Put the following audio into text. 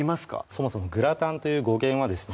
そもそもグラタンという語源はですね